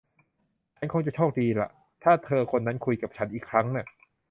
ฉันคงจะโชคดีล่ะ ถ้าเธอคนนั้นคุยกับฉันอีกครั้งน่ะ